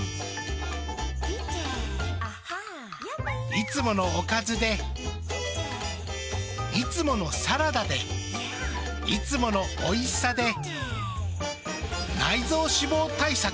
いつものおかずでいつものサラダでいつものおいしさで内臓脂肪対策。